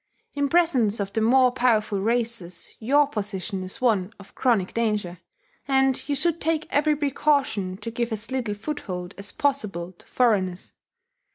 In presence of the more powerful races your position is one of chronic danger, and you should take every precaution to give as little foothold as possible to foreigners.